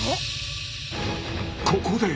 ここで！